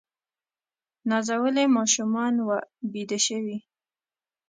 نازولي ماشومان وه بیده شوي